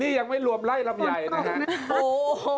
นี่ยังไม่รวมไล่ลำไยนะฮะ